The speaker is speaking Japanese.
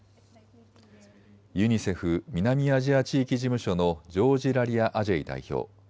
ユニセフ南アジア地域事務所のジョージ・ラリア・アジェイ代表。